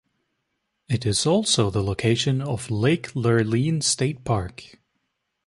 It is also the location of Lake Lurleen State Park.